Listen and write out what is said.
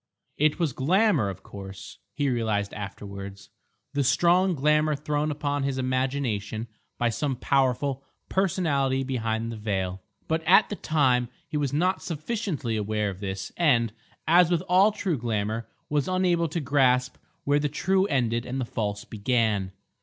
It was glamour, of course, he realised afterwards, the strong glamour thrown upon his imagination by some powerful personality behind the veil; but at the time he was not sufficiently aware of this and, as with all true glamour, was unable to grasp where the true ended and the false began.